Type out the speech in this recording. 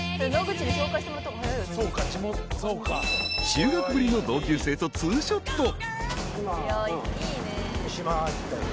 ［中学ぶりの同級生とツーショット］